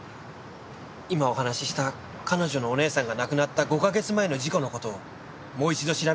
今お話しした彼女のお姉さんが亡くなった５カ月前の事故の事をもう一度調べ直して頂けませんか？